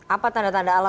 apa tanda tanda alam